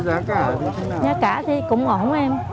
giá cả thì cũng ổn em